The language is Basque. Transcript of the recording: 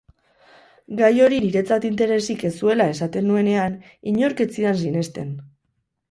Gai hori niretzat interesik ez zuela esaten nuenean inork ez zidan sinesten.